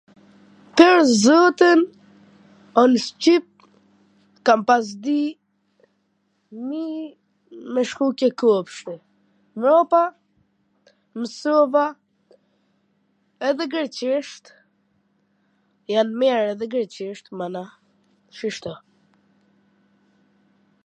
Pwr zotin un shqip kam pas dit mir me shku ke kopshti, mbrapa msova edhe greqisht, jam mir edhe greqisht, mana, shishto.